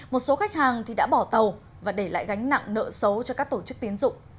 một số khách hàng thì đã bỏ tàu và để lại gánh nặng nợ xấu cho các tổ chức tiến dụng